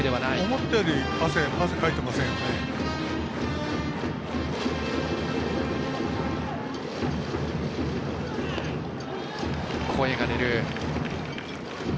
思ったより汗かいてませんよね。